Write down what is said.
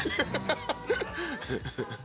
「ハハハハ！」